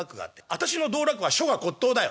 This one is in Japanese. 私の道楽は書画骨とうだよ」。